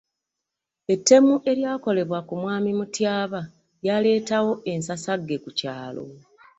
Ettemu eryakolebwa ku mwami Mutyaba lyaleetawo ensasagge ku kyalo.